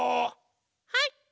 はい！